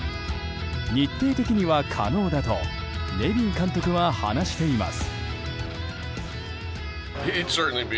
日程的には可能だとネビン監督は話しています。